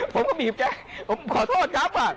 ผมก็บีบแค่ผมขอโทษครับว่ะ